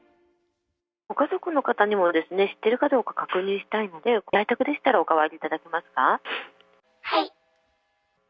ご家族の方にもですね、知ってるかどうか確認したいので、在宅でしたらお代わりいただけますか。